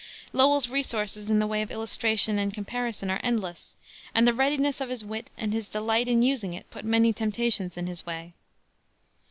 Lowell's resources in the way of illustration and comparison are endless, and the readiness of his wit and his delight in using it put many temptations in his way.